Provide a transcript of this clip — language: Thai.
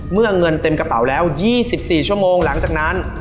เงินเต็มกระเป๋าแล้ว๒๔ชั่วโมงหลังจากนั้น